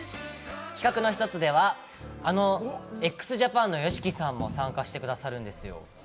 企画の１つでは、あのＸＪＡＰＡＮのＹＯＳＨＩＫＩさんも参加してくださるんですよ。